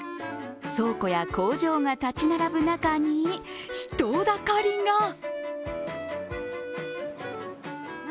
倉庫や工場が立ち並ぶ中に人だかりが。